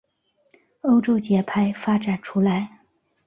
欧洲节拍发展出来。